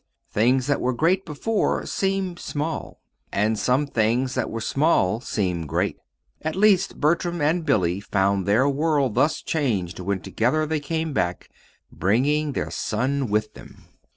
Things that were great before seem small, and some things that were small seem great. At least Bertram and Billy found their world thus changed when together they came back bringing their son with them.